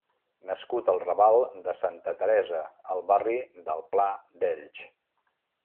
Nascut al raval de Santa Teresa, al barri del Pla d’Elx.